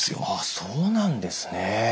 そうなんですね。